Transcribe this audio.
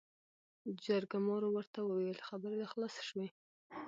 جرګمارو ورته وويل خبرې دې خلاصې شوې ؟